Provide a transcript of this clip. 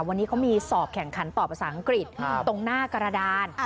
วันนี้เขามีสอบแข่งขันต่อภาษาอังกฤษตรงหน้ากระดาน